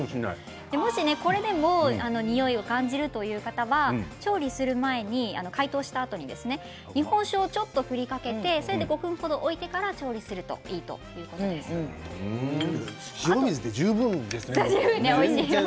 これでもにおいを感じるという方は調理する前に、解凍したあとに日本酒をちょっと振りかけて５分程置いてから調理すると塩水で十分ですね。